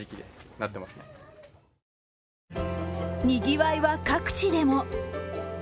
にぎわいは各地でも。